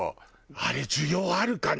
あれ需要あるかな？